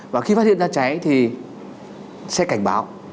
và khi phát hiện ra cháy thì sẽ cảnh báo